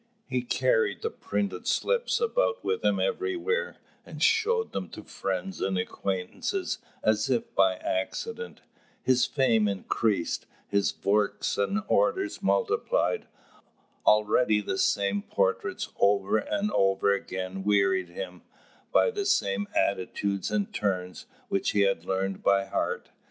He carried the printed slips about with him everywhere, and showed them to friends and acquaintances as if by accident. His fame increased, his works and orders multiplied. Already the same portraits over and over again wearied him, by the same attitudes and turns, which he had learned by heart.